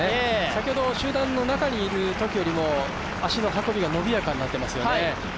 先ほど集団の中にいるときよりも足の運びが伸びやかになっていますよね。